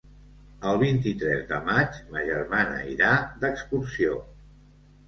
El vint-i-tres de maig ma germana irà d'excursió.